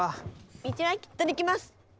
道はきっとできます！